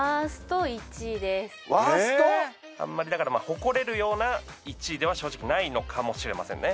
誇れるような１位では正直ないのかもしれませんね